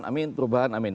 amin perubahan amin